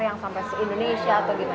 yang sampai indonesia atau gimana